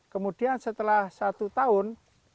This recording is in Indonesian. kemudian setelah satu tahun